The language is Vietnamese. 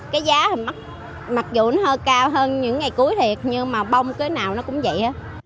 cái giá mặc dù nó hơi cao hơn những ngày cuối thiệt nhưng mà bông cái nào nó cũng vậy